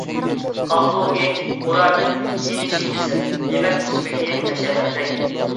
ھالبۇكى، ئۇلارنىڭ كىيىنىشى ئېسىل، يېمەك ـ ئىچمىكى ھەشەمەتلىك.